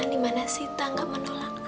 dimana sita gak menolakmu